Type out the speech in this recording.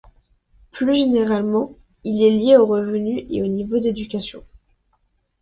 Plus généralement, il est lié au revenu et au niveau d’éducation.